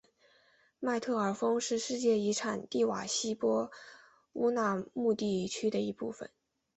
麦特尔峰是世界遗产蒂瓦希波乌纳穆地区的一部分。